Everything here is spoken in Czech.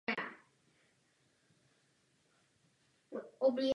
Kathleen Turner získala za svou roli v tomto filmu Zlatý glóbus.